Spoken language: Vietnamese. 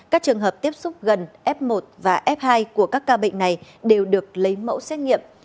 các trường hợp tiếp xúc gần f một và f hai của các ca bệnh này đều được lấy mẫu xét nghiệm